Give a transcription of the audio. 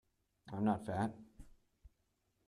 I'm not fat.